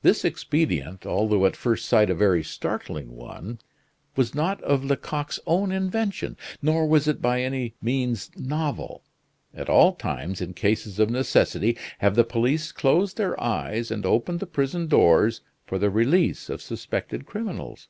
This expedient, although at first sight a very startling one, was not of Lecoq's own invention, nor was it by any means novel. At all times, in cases of necessity, have the police closed their eyes and opened the prison doors for the release of suspected criminals.